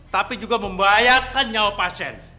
tapi juga membahayakan